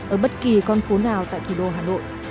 ở bất kỳ con phố nào tại thủ đô hà nội